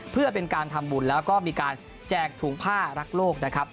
เพื่อเป็นการทำบุญแล้วก็มีการแจกถุงผ้ารักโลกนะครับ